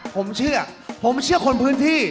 ผมเชื่อผมเชื่อคนพื้นที่